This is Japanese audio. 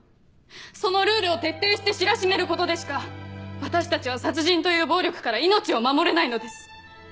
そのルールを徹底して知らしめることでしか私たちは殺人という暴力から命を守れないのです。